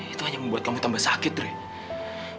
itu hanya membuat kamu tambah sakit deh